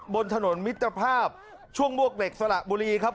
บนถนนมิตรภาพช่วงมวกเหล็กสละบุรีครับ